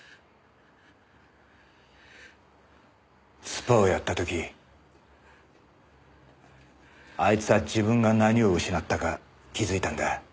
スパーをやった時あいつは自分が何を失ったか気づいたんだ。